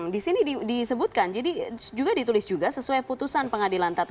di sini disebutkan jadi juga ditulis juga sesuai putusan pengadilan tata